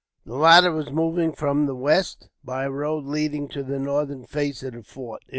The latter was moving from the west, by a road leading to the northern face of the fort.